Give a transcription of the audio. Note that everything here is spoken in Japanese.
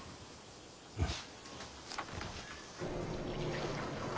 うん。